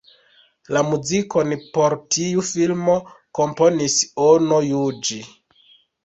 La muzikon por tiu filmo komponis Ono Juĝi.